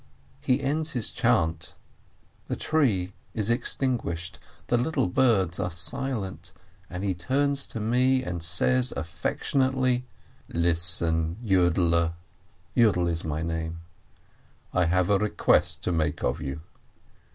He ends his chant, the tree is extinguished, the little birds are silent, and he turns to me, and says affectionately : "Listen, Yu'dele," — Yu'del is my name — "I have a request to make of you."